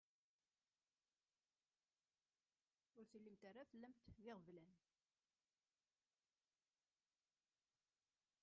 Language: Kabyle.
Ur tellimt ara tlamt iɣeblan.